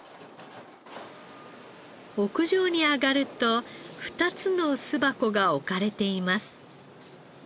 屋上に上がると２つの巣箱が置かれています。